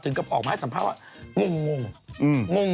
ออกมาให้สัมพันธ์ว่างงง